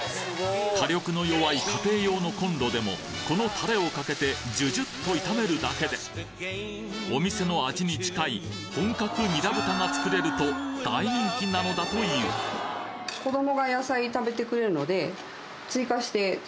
火力の弱い家庭用のコンロでもこのタレをかけてジュジュッと炒めるだけでお店の味に近い本格にら豚が作れると大人気なのだという秒で？